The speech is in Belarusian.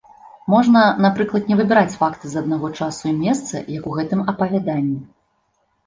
Можна, напрыклад, не выбіраць факты з аднаго часу і месца, як у гэтым апавяданні.